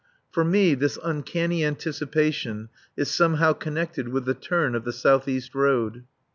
For me this uncanny anticipation is somehow connected with the turn of the south east road.